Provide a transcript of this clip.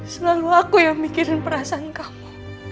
selalu aku yang mikirin perasaan kamu